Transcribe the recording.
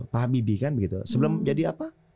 pak habibie kan begitu sebelum jadi apa